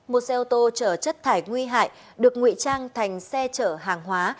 một xe ô tô chở chất thải nguy hại được nguy trang thành xe chở hàng hóa